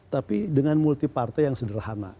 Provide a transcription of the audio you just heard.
tapi dengan multi partai yang sederhana